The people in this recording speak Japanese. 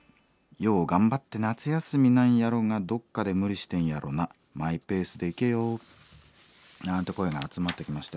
「よう頑張って夏休みなんやろうがどっかで無理してんやろなマイペースで行けよ」なんて声が集まってきました。